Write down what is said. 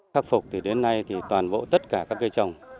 khắc phục thì đến nay thì toàn bộ tất cả các cây trồng